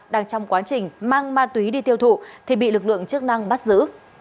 đang trong quá trình mang ma túy đi tiêu thụ thì bị lực lượng chức năng bắt giữ